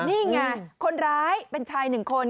นี่ไงคนร้ายเป็นชายหนึ่งคน